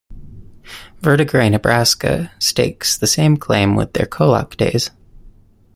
Verdigre, Nebraska, stakes the same claim with their Kolach Days.